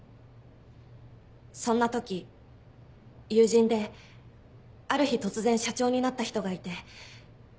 そんな時友人である日突然社長になった人がいて。